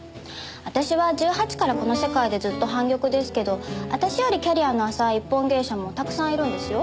私は１８からこの世界でずっと半玉ですけど私よりキャリアの浅い一本芸者もたくさんいるんですよ。